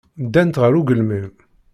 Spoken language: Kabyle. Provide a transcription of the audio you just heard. Ddant ɣer ugelmim.